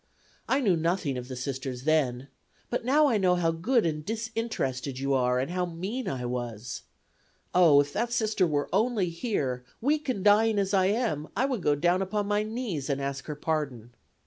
I knew nothing of the Sisters then. But now I know how good and disinterested you are and how mean I was. Oh! if that Sister were only here, weak and dying as I am, I would go down upon my knees and ask her pardon."